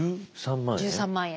１３万円。